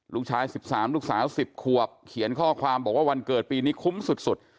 ลูกสาว๑๓ลูกสาว๑๐ขวบเขียนข้อความบอกว่าวันเกิดปีนี้คุ้มสุด